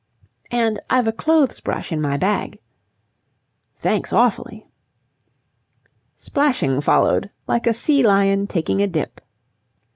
"And I've a clothes brush in my bag." "Thanks awfully." Splashing followed like a sea lion taking a dip.